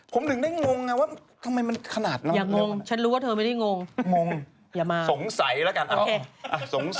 ผมหนึ่งได้งงอ่ะว่าทำไมมันขนาดน่าหรืออะไรอย่างนึง